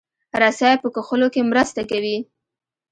رسۍ په کښلو کې مرسته کوي.